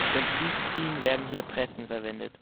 Zum Tiefziehen werden hier Pressen verwendet.